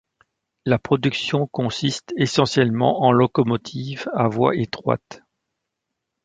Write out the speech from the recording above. La production consiste essentiellement en locomotives à voie étroite.